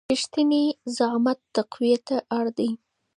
رښتينی زعامت تقوی ته اړ دی.